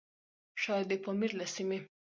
شايد د پامير له سيمې؛